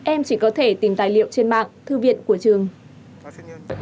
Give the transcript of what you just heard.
em chỉ có thể tìm tài liệu trên mạng thư viện của trường